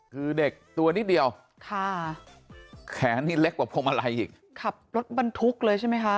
คือเด็กตัวนิดเดียวค่ะแขนนี่เล็กกว่าพวงมาลัยอีกขับรถบรรทุกเลยใช่ไหมคะ